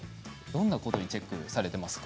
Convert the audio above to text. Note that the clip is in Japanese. どんなことにチェックされてますか？